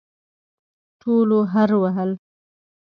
ټولو هررر وهل.